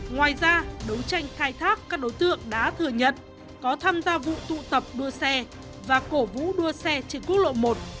ngoài ra đấu tranh khai thác các đối tượng đã thừa nhận có tham gia vụ tụ tập đua xe và cổ vũ đua xe trên quốc lộ một